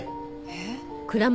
えっ？